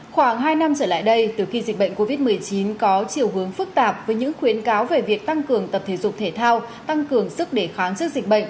khoảng hai năm trở lại đây từ khi dịch bệnh covid một mươi chín có chiều hướng phức tạp với những khuyến cáo về việc tăng cường tập thể dục thể thao tăng cường sức đề kháng trước dịch bệnh